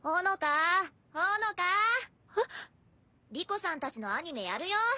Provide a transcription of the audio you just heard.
莉子さんたちのアニメやるよ！